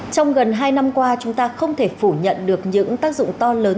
trong gần hai năm qua chúng ta không thể phủ nhận được những tác dụng to lớn